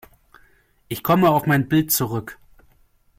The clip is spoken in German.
Ich komme auf mein Bild zurück.